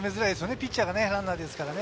ピッチャーがランナーですからね。